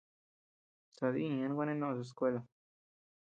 Sadï ñeʼe gua neʼes noʼos skuela.